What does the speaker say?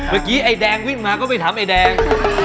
เมื่อกี้ไอ้แดงวิ่งมาก็ไปถามไอ้แดง